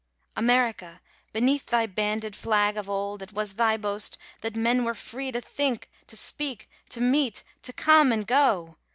America, beneath thy banded flag Of old it was thy boast that men were free To think, to speak, to meet, to come and go.